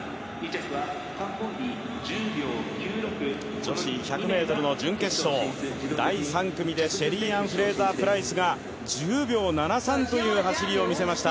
女子１００ｍの準決勝、第３組でシェリーアン・フレイザー・プライスが１０秒７３という走りを見せました。